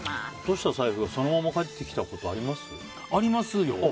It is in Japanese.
落とした財布がそのまま帰ってきたことありますよ。